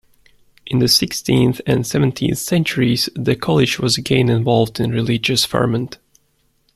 In the sixteenth and seventeenth centuries, the college was again involved in religious ferment.